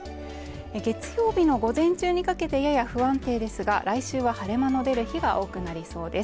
月曜日の午前中にかけてやや不安定ですが、来週は晴れ間の出る日が多くなりそうです。